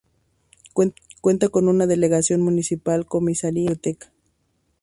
Cuenta con una delegación municipal, comisaría y biblioteca.